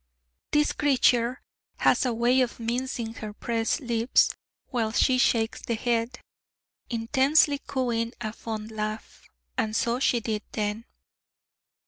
This creature has a way of mincing her pressed lips, while she shakes the head, intensely cooing a fond laugh: and so she did then.